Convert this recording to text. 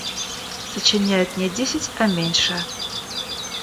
Сочиняет не десять, а меньше.